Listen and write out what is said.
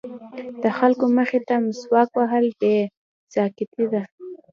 د خلکو مخې ته مسواک وهل بې نزاکتي ده.